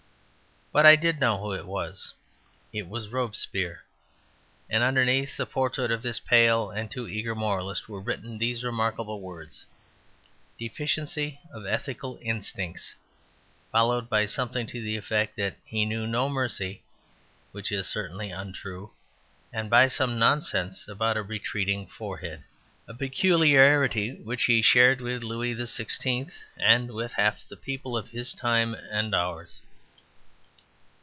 But I did know who it was. It was Robespierre. And underneath the portrait of this pale and too eager moralist were written these remarkable words: "Deficiency of ethical instincts," followed by something to the effect that he knew no mercy (which is certainly untrue), and by some nonsense about a retreating forehead, a peculiarity which he shared with Louis XVI and with half the people of his time and ours.